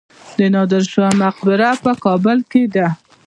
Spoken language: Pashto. د نادر شاه مقبره په کابل کې ده